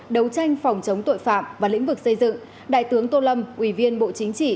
đấu tranh phòng chống tội phạm và lĩnh vực xây dựng đại tướng tô lâm ủy viên bộ chính trị